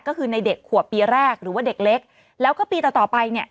ก็คือในเด็กขวบปีแรกหรือว่าเด็กเล็กแล้วก็ปีต่อต่อไปเนี่ย